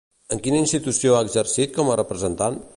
En quina institució ha exercit com a representant?